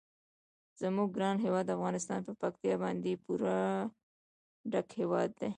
زموږ ګران هیواد افغانستان په پکتیکا باندې پوره ډک هیواد دی.